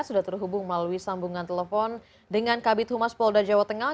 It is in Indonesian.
sudah terhubung melalui sambungan telepon dengan kabit humas polda jawa tengah